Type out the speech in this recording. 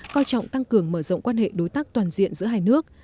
coi trọng tăng cường mở rộng quan hệ đối tác toàn diện giữa hai nước